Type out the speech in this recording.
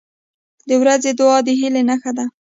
• د ورځې دعا د هیلې نښه ده.